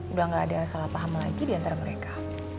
udah gak ada salah paham lagi diantara mereka